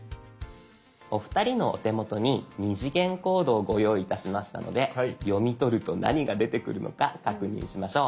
お二人のお手元に２次元コードをご用意いたしましたので読み取ると何が出てくるのか確認しましょう。